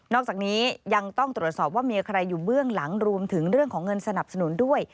อกจากนี้ยังต้องตรวจสอบว่ามีใครอยู่เบื้องหลังรวมถึงเรื่องของเงินสนับสนุนด้วย